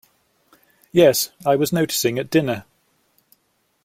Yes, I was noticing at dinner.